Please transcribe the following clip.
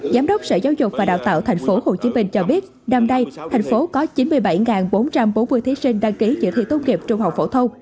giám đốc sở giáo dục và đào tạo tp hcm cho biết năm nay thành phố có chín mươi bảy bốn trăm bốn mươi thí sinh đăng ký dự thi tốt nghiệp trung học phổ thông